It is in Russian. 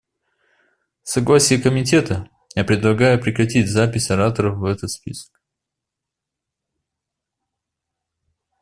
С согласия Комитета, я предлагаю прекратить запись ораторов в этот список.